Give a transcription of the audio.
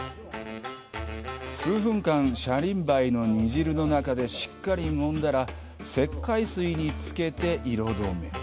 数分間、シャリンバイの煮汁の中でしっかりもんだら石灰水につけて色止め。